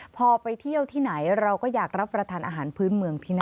พอไปเที่ยวที่ไหนเราก็อยากรับประทานอาหารพื้นเมืองที่นั่น